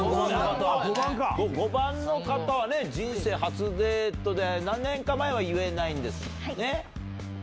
５番の方は「人生初デート」で何年前かは言えないんですよね。